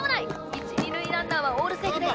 一二塁ランナーはオールセーフです